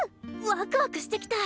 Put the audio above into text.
ワクワクしてきた！